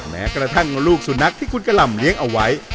แม้กระทั่งลูกสุนัขที่คุณกะหล่ำเลี้ยงเอาไว้